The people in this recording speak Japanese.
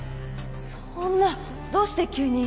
そんなどうして急に。